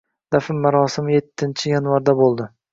Dafn marosimi ettinchi yanvarda bo`ldi